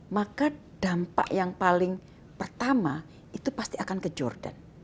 maka dampak yang paling pertama itu pasti akan ke jordan